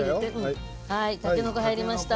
たけのこ入りました。